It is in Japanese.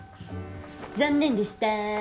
残念でした。